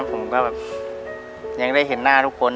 ผมก็แบบยังได้เห็นหน้าทุกคน